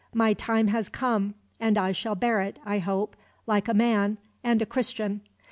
My time has come; and I shall bear it, I hope, like a man, and a Christian."